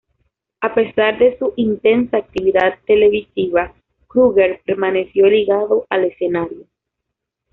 A pesar de su intensa actividad televisiva, Krüger permaneció ligado al escenario.